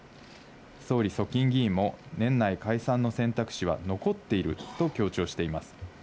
総理側近議員も、年内解散の選択肢は残っていると強調しています。